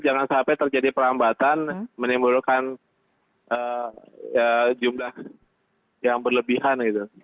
jangan sampai terjadi perambatan menimbulkan jumlah yang berlebihan gitu